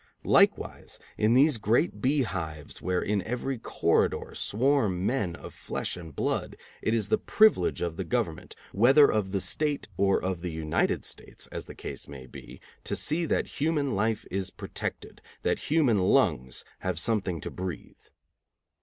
Likewise, in these great beehives where in every corridor swarm men of flesh and blood, it is the privilege of the government, whether of the State or of the United States, as the case may be, to see that human life is protected, that human lungs have something to breathe.